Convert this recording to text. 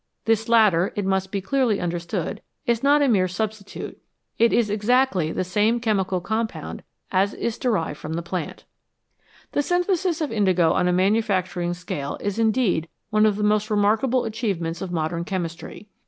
This latter, it must be clearly understood, is not a mere substitute ; it is exactly the same chemical compound as is derived from the plant. The synthesis of indigo on a manufacturing scale is indeed one of the most remarkable achievements of modern 255 HOW MAN COMPETES WITH NATURE chemistry.